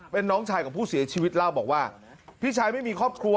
เป็นน้องชายของผู้เสียชีวิตเล่าบอกว่าพี่ชายไม่มีครอบครัว